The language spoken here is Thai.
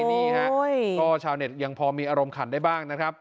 นี่ฮะก็ชาวเน็ตยังพอมีอารมณ์ขันได้บ้างนะครับ